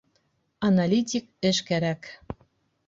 Аналитик эш кәрәк.